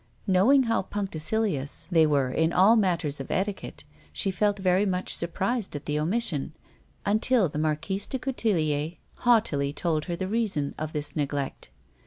Knowing how punctilious they were in all matters of etiquette, she felt verv much surprised at the omission, until the Marquise de Coutelier haughtily told her the reason of this neglect.